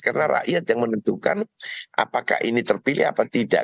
karena rakyat yang menentukan apakah ini terpilih atau tidak